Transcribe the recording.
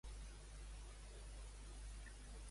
Però a la capital espanyola no són ni una cosa ni l'altra.